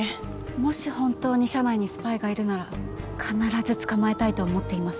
もし本当に社内にスパイがいるなら必ず捕まえたいと思っています。